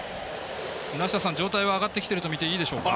状態は上がってきていると見ていいでしょうか。